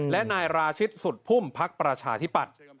และนายราชิตสุดพุ่มพักประชาธิปัตย์